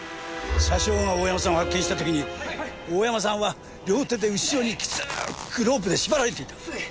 車掌が大山さんを発見した時に大山さんは両手でうしろにきつくロープで縛られていた。